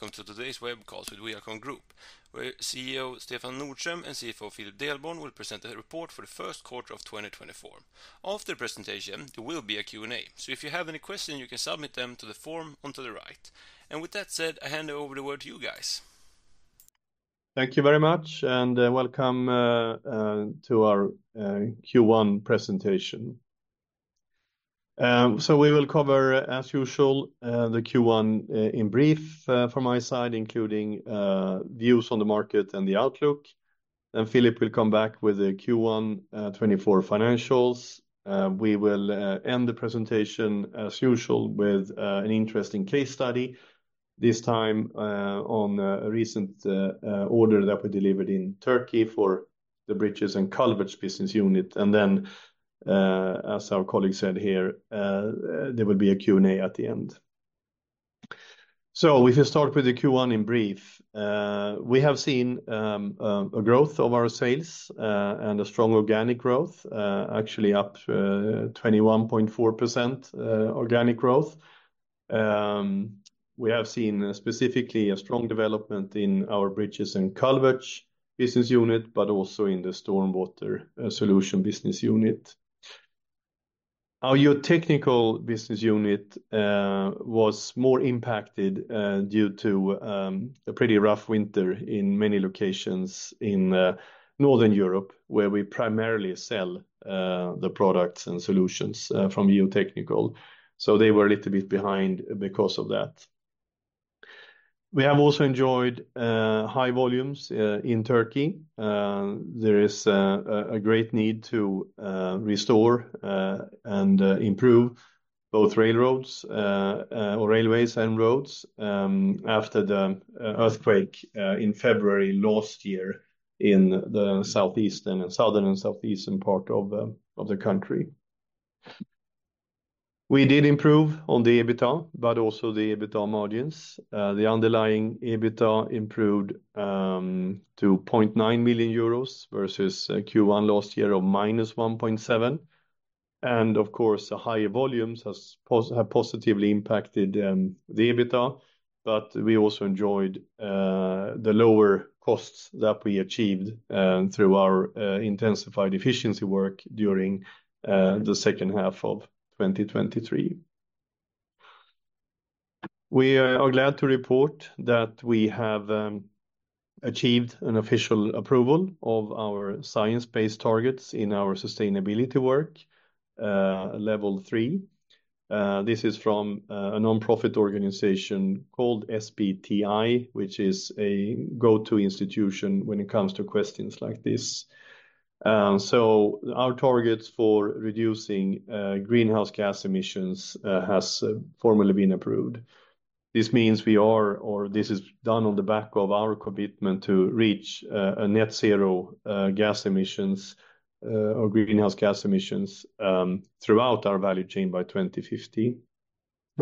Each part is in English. Hello, and welcome to today's web call with ViaCon Group, where CEO Stefan Nordström and CFO Philip Delborn will present a report for the first quarter of 2024. After the presentation, there will be a Q&A. If you have any questions, you can submit them to the form onto the right. With that said, I hand over the word to you guys. Thank you very much, and welcome to our Q1 presentation. So we will cover, as usual, the Q1 in brief from my side, including views on the market and the outlook, and Philip will come back with the Q1 2024 financials. We will end the presentation as usual with an interesting case study, this time order that we delivered in Turkey for the Bridges and Culverts business unit. And then, as our colleague said here, there will be a Q&A at the end. So if you start with the Q1 in brief, we have seen a growth of our sales and a strong organic growth, actually up 21.4% organic growth. We have seen specifically a strong development in our Bridges and Culverts business unit, but also in the Stormwater Solutions business unit. Our Geotechnical business unit was more impacted due to a pretty rough winter in many locations in Northern Europe, where we primarily sell the products and solutions from Geotechnical. So they were a little bit behind because of that. We have also enjoyed high volumes in Turkey. There is a great need to restore and improve both railroads or railways and roads after the earthquake in February last year in the southeastern and southern and southeastern part of the country. We did improve on the EBITDA, but also the EBITDA margins. The underlying EBITDA improved to 0.9 million euros versus Q1 last year of -1.7 million EUR. Of course, the higher volumes have positively impacted the EBITDA, but we also enjoyed the lower costs that we achieved through our intensified efficiency work during the second half of 2023. We are glad to report that we have achieved an official approval of our science-based targets in our sustainability work, level three. This is from a nonprofit organization called SBTi, which is a go-to institution when it comes to questions like this. So our targets for reducing greenhouse gas emissions has formally been approved. This means we are, or this is done on the back of our commitment to reach a net zero gas emissions or greenhouse gas emissions throughout our value chain by 2050.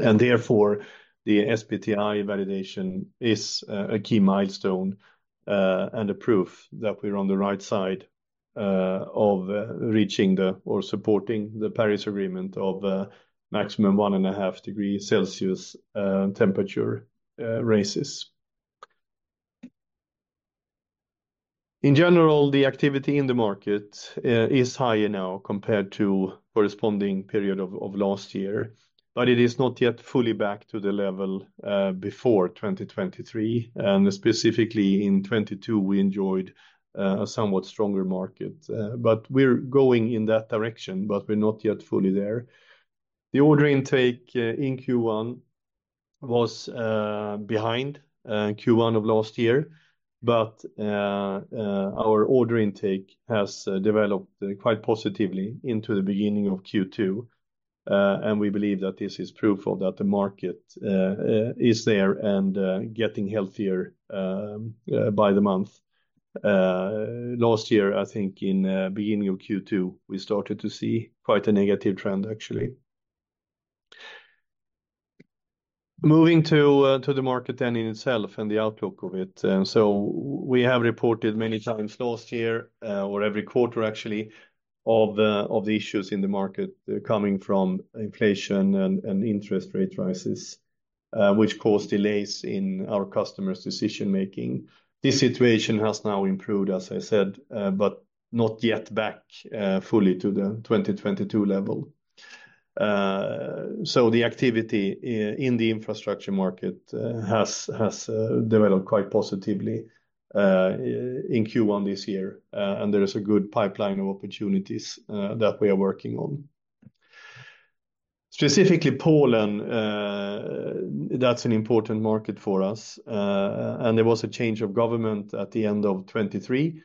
And therefore, the SBTi validation is a key milestone and a proof that we're on the right side of reaching the or supporting the Paris Agreement of maximum 1.5 degree Celsius temperature raises. In general, the activity in the market is higher now compared to corresponding period of last year, but it is not yet fully back to the level before 2023. And specifically in 2022, we enjoyed a somewhat stronger market, but we're going in that direction, but we're not yet fully there. The order intake in Q1 was behind Q1 of last year, but our order intake has developed quite positively into the beginning of Q2. And we believe that this is proof of that the market is there and getting healthier by the month. Last year, I think in beginning of Q2, we started to see quite a negative trend, actually. Moving to the market then in itself and the outlook of it. So we have reported many times last year or every quarter, actually, of the issues in the market coming from inflation and interest rate rises, which caused delays in our customers' decision making. This situation has now improved, as I said, but not yet back fully to the 2022 level. So the activity in the infrastructure market has developed quite positively in Q1 this year, and there is a good pipeline of opportunities that we are working on. Specifically, Poland, that's an important market for us, and there was a change of government at the end of 2023,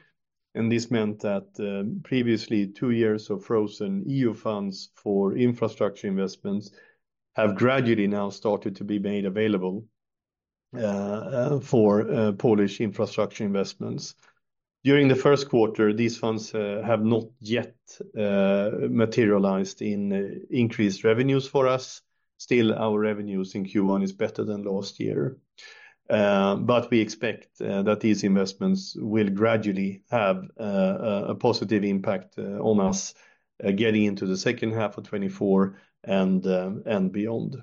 and this meant that previously two years of frozen EU funds for infrastructure investments have gradually now started to be made available for Polish infrastructure investments. During the first quarter, these funds have not yet materialized in increased revenues for us. Still, our revenues in Q1 is better than last year, but we expect that these investments will gradually have a positive impact on us getting into the second half of 2024 and beyond.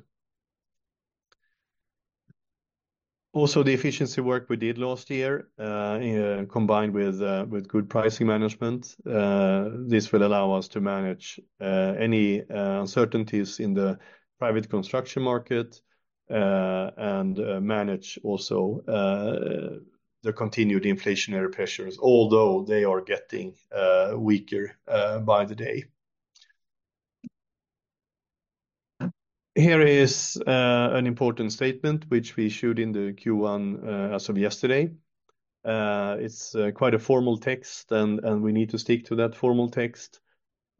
Also, the efficiency work we did last year, combined with good pricing management, this will allow us to manage any uncertainties in the private construction market, and manage also the continued inflationary pressures, although they are getting weaker by the day. Here is an important statement, which we issued in the Q1 as of yesterday. It's quite a formal text, and we need to stick to that formal text.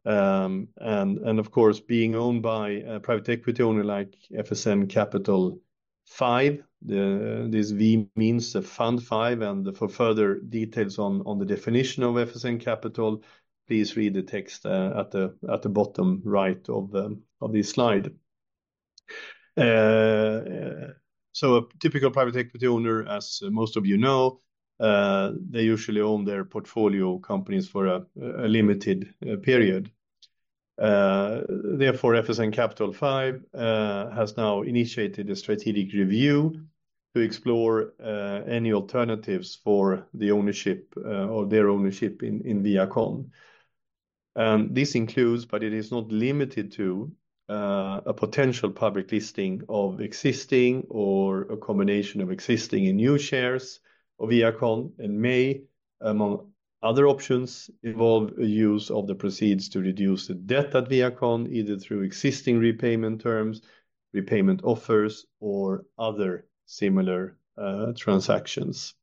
And of course, being owned by a private equity owner like FSN Capital V, this V means the Fund V, and for further details on the definition of FSN Capital, please read the text at the bottom right of this slide. So a typical private equity owner, as most of you know, they usually own their portfolio companies for a limited period. Therefore, FSN Capital V has now initiated a strategic review to explore any alternatives for the ownership or their ownership in ViaCon. This includes, but it is not limited to, a potential public listing of existing or a combination of existing and new shares of ViaCon and may, among other options, involve a use of the proceeds to reduce the debt at ViaCon, either through existing repayment terms, repayment offers, or other similar transactions.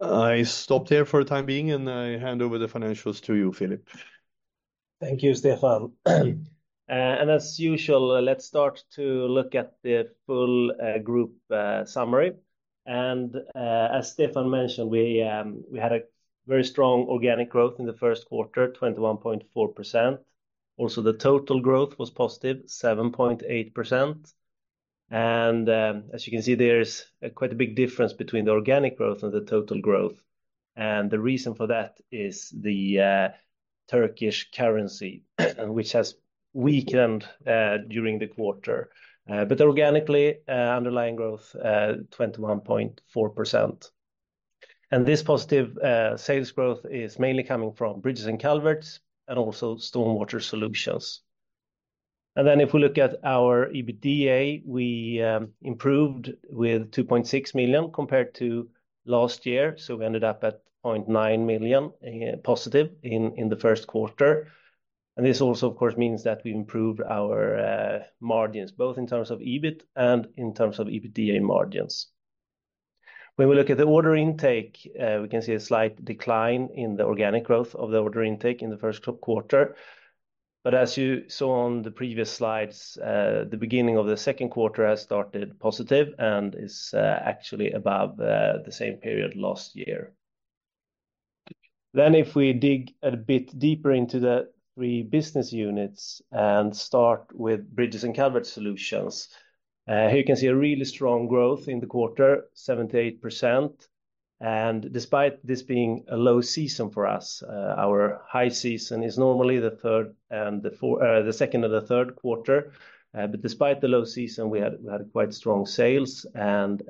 I stop there for the time being, and I hand over the financials to you, Philip. Thank you, Stefan. And as usual, let's start to look at the full group summary. And as Stefan mentioned, we had a very strong organic growth in the first quarter, 21.4%. Also, the total growth was positive, 7.8%. And as you can see, there's quite a big difference between the organic growth and the total growth. And the reason for that is the Turkish currency, which has weakened during the quarter. But organically, underlying growth, 21.4%. And this positive sales growth is mainly coming from Bridges and Culverts and also Stormwater Solutions. And then if we look at our EBITDA, we improved with 2.6 million compared to last year, so we ended up at 0.9 million positive in the first quarter. This also, of course, means that we improved our margins, both in terms of EBIT and in terms of EBITDA margins. When we look at the order intake, we can see a slight decline in the organic growth of the order intake in the first quarter. But as you saw on the previous slides, the beginning of the second quarter has started positive and is actually above the same period last year. Then if we dig a bit deeper into the three business units and start with Bridges & Culverts Solutions, here you can see a really strong growth in the quarter, 78%. And despite this being a low season for us, our high season is normally the second or the third quarter. But despite the low season, we had quite strong sales and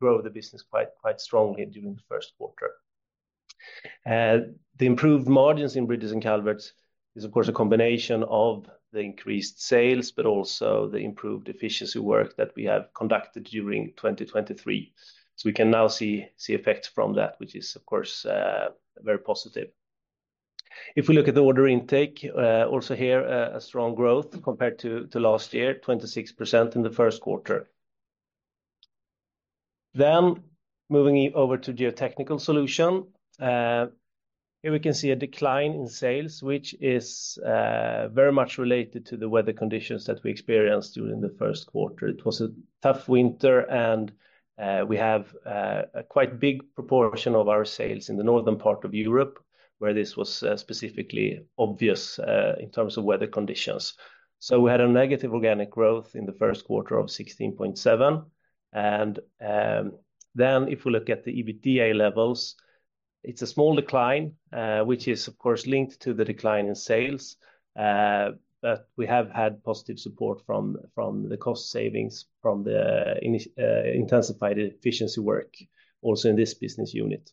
grow the business quite strongly during the first quarter. The improved margins in Bridges and Culverts is of course a combination of the increased sales, but also the improved efficiency work that we have conducted during 2023. So we can now see effects from that, which is, of course, very positive. If we look at the order intake, also here, a strong growth compared to last year, 26% in the first quarter. Then moving over to Geotechnical Solutions, here we can see a decline in sales, which is very much related to the weather conditions that we experienced during the first quarter. It was a tough winter, and we have a quite big proportion of our sales in the Northern Europe, where this was specifically obvious in terms of weather conditions. So we had a negative organic growth in the first quarter of 16.7%. Then if we look at the EBITDA levels, it's a small decline, which is, of course, linked to the decline in sales. But we have had positive support from the cost savings from the intensified efficiency work also in this business unit.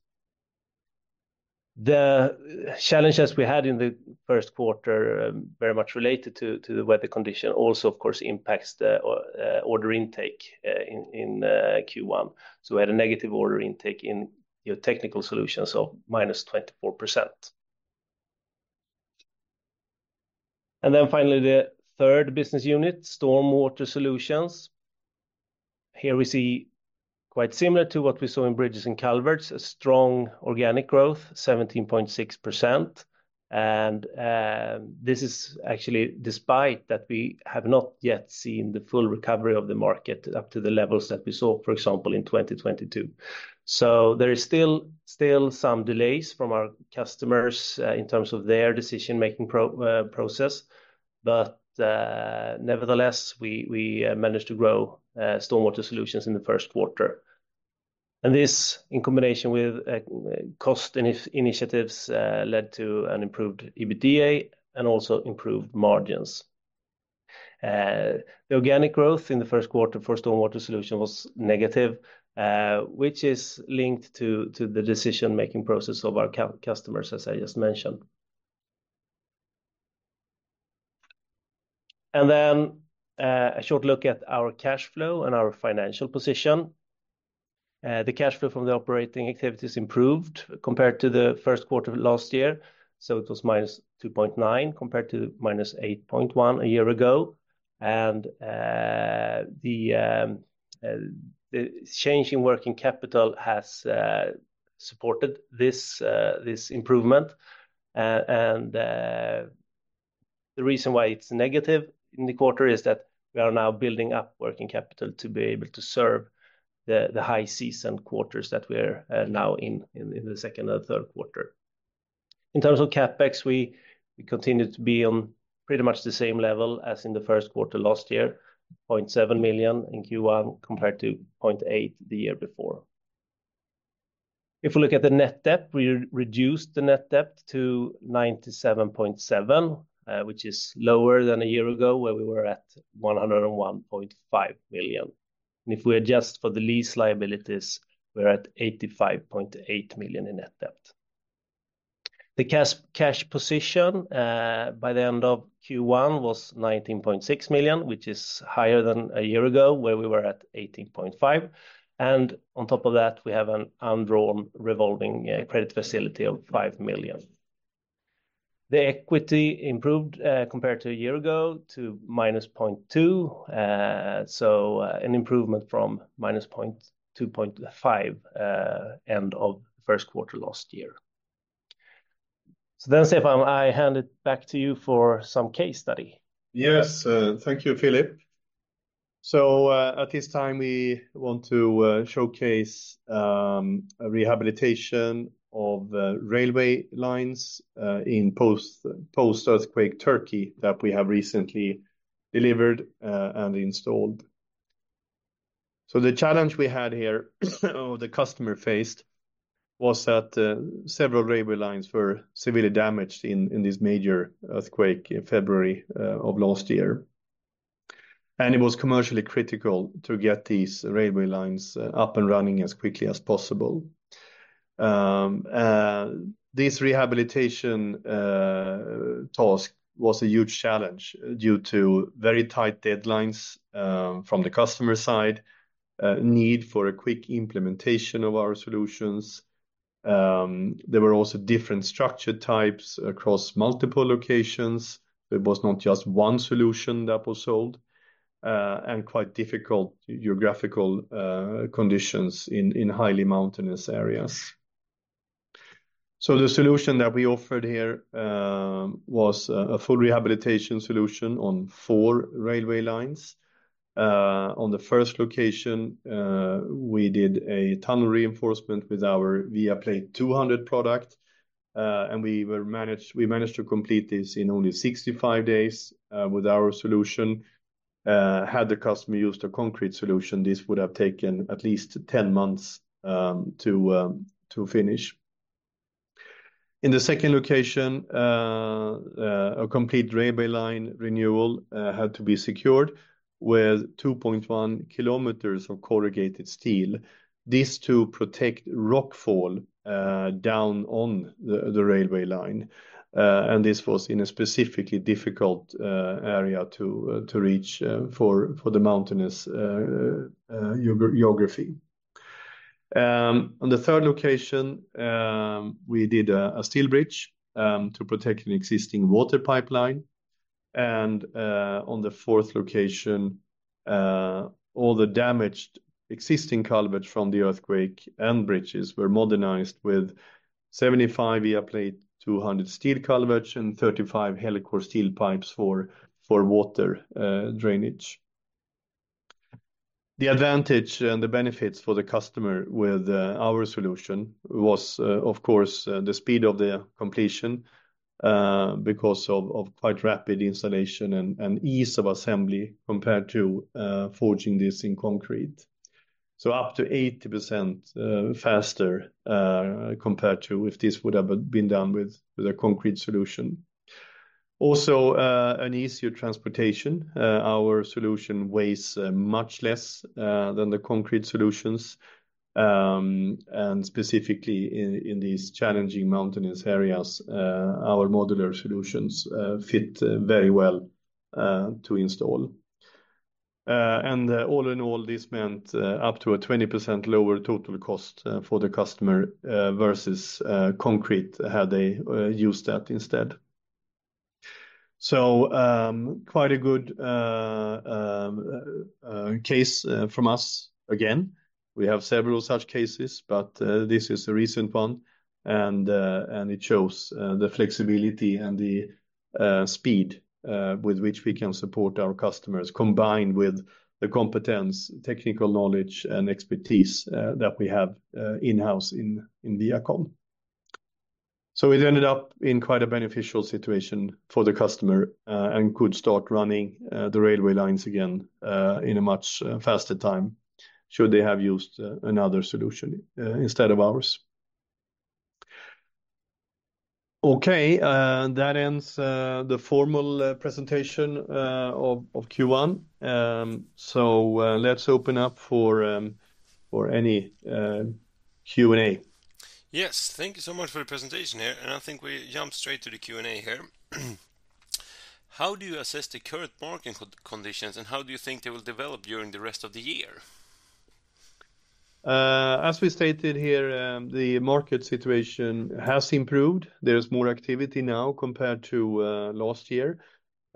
The challenges we had in the first quarter very much related to the weather condition, also, of course, impacts the order intake in Q1. So we had a negative order intake in Geotechnical Solutions, so -24%. And then finally, the third business unit, StormWater Solutions. Here we see, quite similar to what we saw in Bridges and Culverts, a strong organic growth, 17.6%. This is actually despite that we have not yet seen the full recovery of the market up to the levels that we saw, for example, in 2022. So there is still some delays from our customers, in terms of their decision-making process, but nevertheless, we managed to grow StormWater Solutions in the first quarter. This, in combination with cost initiatives, led to an improved EBITDA and also improved margins. The organic growth in the first quarter for StormWater Solutions was negative, which is linked to the decision-making process of our customers, as I just mentioned. And then, a short look at our cash flow and our financial position. The cash flow from the operating activities improved compared to the first quarter of last year, so it was -2.9 million, compared to -8.1 million a year ago. And the change in working capital has supported this improvement. And the reason why it's negative in the quarter is that we are now building up working capital to be able to serve the high season quarters that we're now in the second and third quarter. In terms of CapEx, we continue to be on pretty much the same level as in the first quarter last year, 0.7 million in Q1, compared to 0.8 million the year before. If we look at the net debt, we reduced the net debt to 97.7 million, which is lower than a year ago, where we were at 101.5 million. And if we adjust for the lease liabilities, we're at 85.8 million in net debt. The cash position by the end of Q1 was 19.6 million, which is higher than a year ago, where we were at 18.5 million. And on top of that, we have an undrawn revolving credit facility of 5 million. The equity improved compared to a year ago to -0.2. So, an improvement from -0.25 end of the first quarter last year. So then, Stefan, I hand it back to you for some case study. Yes, thank you, Philip. So, at this time, we want to showcase a rehabilitation of railway lines in post-earthquake Turkey that we have recently delivered and installed. So the challenge we had here, or the customer faced, was that several railway lines were severely damaged in this major earthquake in February of last year. And it was commercially critical to get these railway lines up and running as quickly as possible. This rehabilitation task was a huge challenge due to very tight deadlines from the customer side, need for a quick implementation of our solutions. There were also different structure types across multiple locations. It was not just one solution that was sold and quite difficult geographical conditions in highly mountainous areas. The solution that we offered here was a full rehabilitation solution on 4 railway lines. On the first location, we did a tunnel reinforcement with our ViaPlate 200 product. We managed to complete this in only 65 days with our solution. Had the customer used a concrete solution, this would have taken at least 10 months to finish. In the second location, a complete railway line renewal had to be secured with 2.1 km of corrugated steel. This to protect rockfall down on the railway line. This was in a specifically difficult area to reach for the mountainous geography. On the third location, we did a steel bridge to protect an existing water pipeline. On the fourth location, all the damaged existing culvert from the earthquake and bridges were modernized with 75 ViaPlate 200 steel culverts and 35 HelCor steel pipes for water drainage. The advantage and the benefits for the customer with our solution was, of course, the speed of the completion, because of quite rapid installation and ease of assembly, compared to forging this in concrete. So up to 80% faster, compared to if this would have been done with a concrete solution. Also, an easier transportation. Our solution weighs much less than the concrete solutions. And specifically in these challenging mountainous areas, our modular solutions fit very well to install. And all in all, this meant up to a 20% lower total cost for the customer versus concrete, had they used that instead. So, quite a good case from us again. We have several such cases, but this is a recent one, and it shows the flexibility and the speed with which we can support our customers, combined with the competence, technical knowledge, and expertise that we have in-house in ViaCon. So it ended up in quite a beneficial situation for the customer and could start running the railway lines again in a much faster time, should they have used another solution instead of ours? Okay, that ends the formal presentation of Q1. So, let's open up for any Q&A. Yes. Thank you so much for the presentation here, and I think we jump straight to the Q&A here. How do you assess the current market conditions, and how do you think they will develop during the rest of the year? As we stated here, the market situation has improved. There's more activity now compared to last year,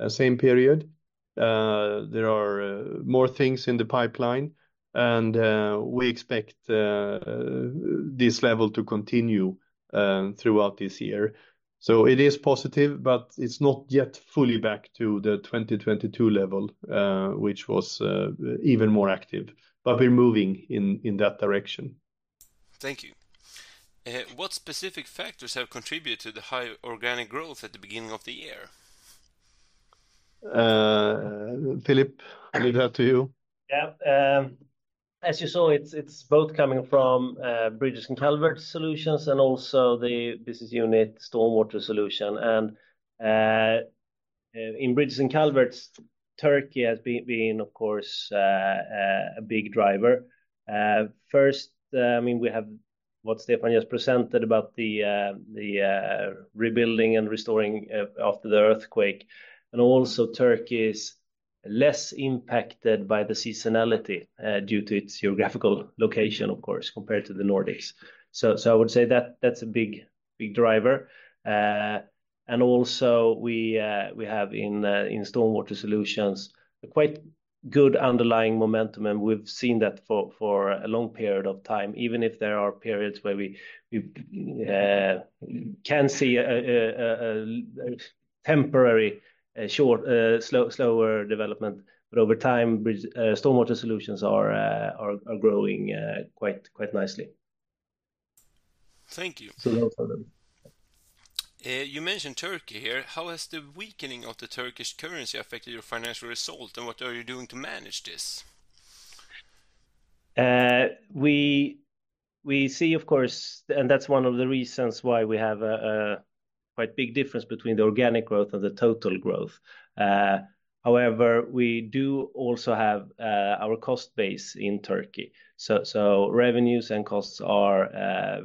same period. There are more things in the pipeline, and we expect this level to continue throughout this year. So it is positive, but it's not yet fully back to the 2022 level, which was even more active. But we're moving in, in that direction. Thank you. What specific factors have contributed to the high organic growth at the beginning of the year? Philip, I leave that to you. Yeah. As you saw, it's both coming from Bridges and Culverts Solutions and also the business unit, Stormwater Solutions. And in Bridges and Culverts, Turkey has been, of course, a big driver. First, I mean, we have what Stefan just presented about the rebuilding and restoring after the earthquake. Also, Turkey is less impacted by the seasonality due to its geographical location, of course, compared to the Nordics. So I would say that's a big driver. And also we have in Stormwater Solutions a quite good underlying momentum, and we've seen that for a long period of time, even if there are periods where we can see a temporary short slower development. But over time, Bridges, StormWater Solutions are growing quite nicely. Thank you. So well said. You mentioned Turkey here. How has the weakening of the Turkish currency affected your financial result, and what are you doing to manage this? We see, of course, and that's one of the reasons why we have a quite big difference between the organic growth and the total growth. However, we do also have our cost base in Turkey, so revenues and costs are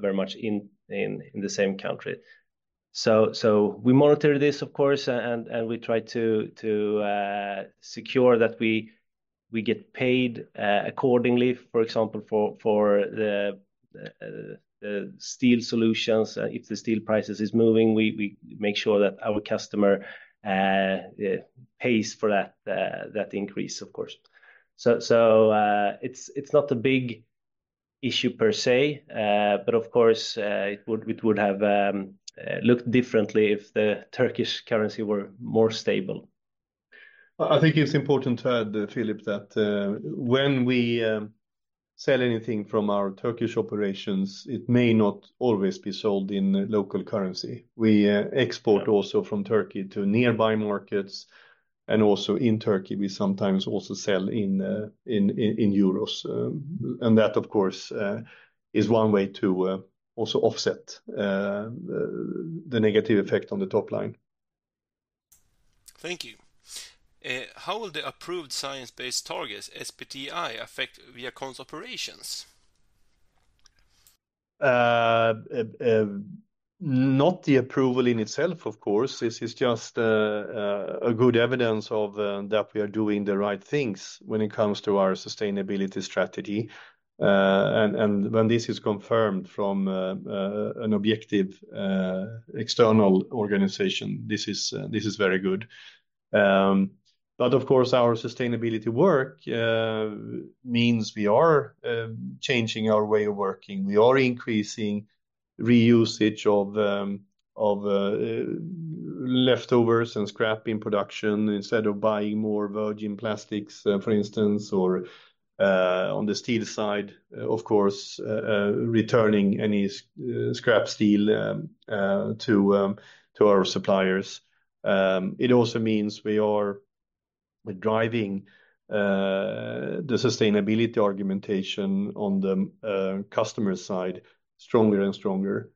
very much in the same country. So we monitor this, of course, and we try to secure that we get paid accordingly. For example, for the steel solutions, if the steel prices is moving, we make sure that our customer pays for that increase, of course. So it's not a big issue per se, but of course, it would have looked differently if the Turkish currency were more stable. I think it's important to add, Philip, that when we sell anything from our Turkish operations, it may not always be sold in local currency. We export also from Turkey to nearby markets, and also in Turkey, we sometimes also sell in euros. And that, of course, is one way to also offset the negative effect on the top line. Thank you. How will the approved science-based targets, SBTi, affect ViaCon's operations? Not the approval in itself, of course. This is just a good evidence of that we are doing the right things when it comes to our sustainability strategy. And when this is confirmed from an objective external organization, this is very good. But of course, our sustainability work means we are changing our way of working. We are increasing reusage of leftovers and scrap in production, instead of buying more virgin plastics, for instance, or on the steel side, of course, returning any scrap steel to our suppliers. It also means we are driving the sustainability argumentation on the customer side stronger and stronger,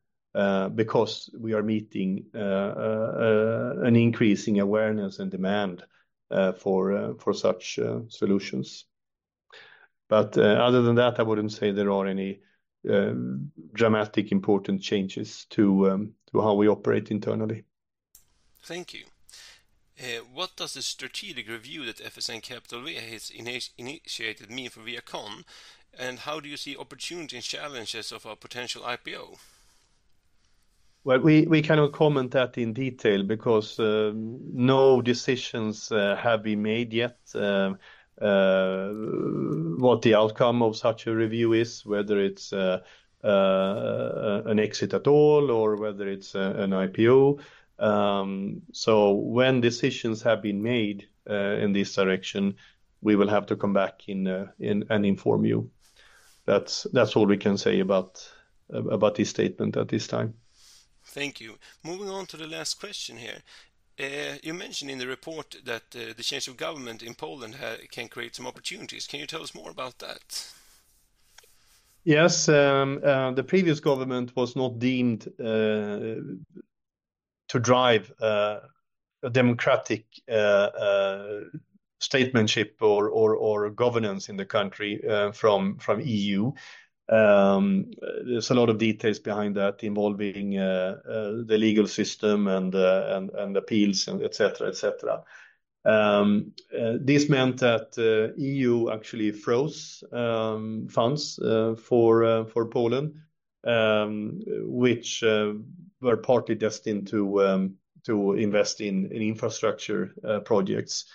because we are meeting an increasing awareness and demand for such solutions. But other than that, I wouldn't say there are any dramatic important changes to how we operate internally. Thank you. What does the strategic review that FSN Capital has initiated mean for ViaCon, and how do you see opportunity and challenges of our potential IPO? Well, we cannot comment that in detail because no decisions have been made yet. What the outcome of such a review is, whether it's an exit at all, or whether it's an IPO. So when decisions have been made in this direction, we will have to come back and inform you. That's all we can say about this statement at this time. Thank you. Moving on to the last question here. You mentioned in the report that the change of government in Poland can create some opportunities. Can you tell us more about that? Yes, the previous government was not deemed to drive a democratic statesmanship or governance in the country from EU. There's a lot of details behind that involving the legal system and the appeals, and et cetera. This meant that EU actually froze funds for Poland, which were partly destined to invest in infrastructure projects.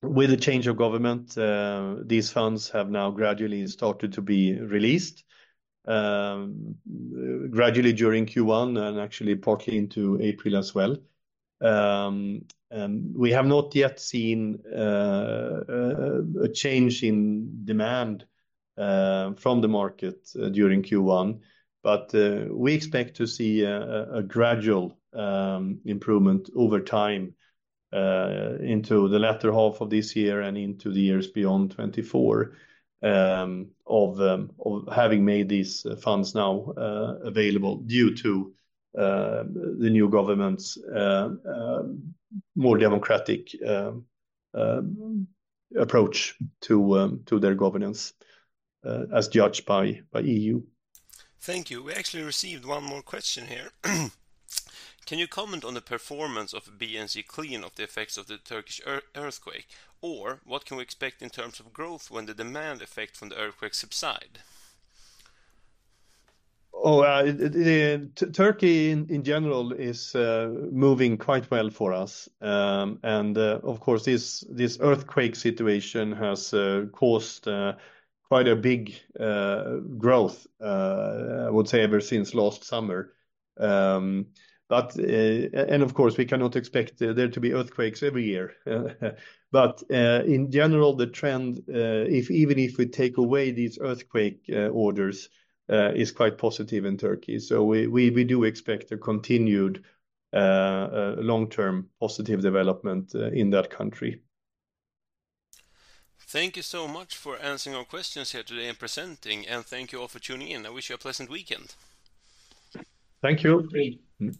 With the change of government, these funds have now gradually started to be released gradually during Q1 and actually partly into April as well. And we have not yet seen a change in demand from the market during Q1, but we expect to see a gradual improvement over time into the latter half of this year and into the years beyond 2024, of having made these funds now available due to the new government's more democratic approach to their governance, as judged by EU. Thank you. We actually received one more question here. "Can you comment on the performance of the business clean of the effects of the Turkish earthquake, or what can we expect in terms of growth when the demand effect from the earthquake subsides? Oh, Turkey in general is moving quite well for us. And of course, this earthquake situation has caused quite a big growth, I would say ever since last summer. But of course, we cannot expect there to be earthquakes every year. But in general, the trend, even if we take away these earthquake orders, is quite positive in Turkey. So we do expect a continued long-term positive development in that country. Thank you so much for answering our questions here today and presenting, and thank you all for tuning in. I wish you a pleasant weekend. Thank you. Great. Bye-bye.